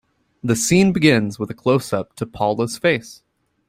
The scene begins with a closeup to Paula's face.